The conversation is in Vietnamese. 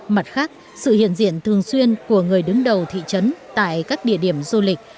mặt khác sự hiện diện thường xuyên của người đứng đầu thị trấn tại các địa điểm du lịch